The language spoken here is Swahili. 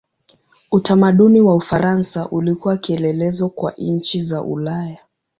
Utamaduni wa Ufaransa ulikuwa kielelezo kwa nchi za Ulaya.